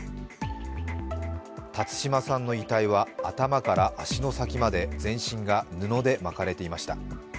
辰島さんの遺体は頭から足の先まで、全身が布で巻かれていました。